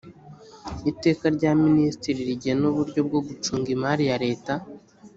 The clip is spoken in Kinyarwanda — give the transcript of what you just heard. iteka rya minisitiri rigena uburyo bwo gucunga imari ya leta